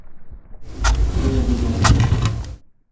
Што я буду рабіць?